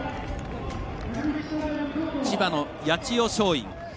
千葉の八千代松陰。